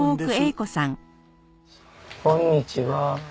こんにちは。